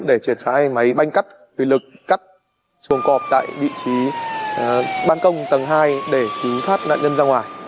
để triển khai máy bay cắt thủy lực cắt chuồng cọp tại vị trí ban công tầng hai để cứu thoát nạn nhân ra ngoài